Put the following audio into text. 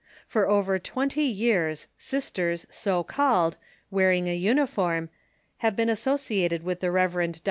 For over twenty years, sisters, so called, wearing a uniform, have been associated with the Rev. Dr.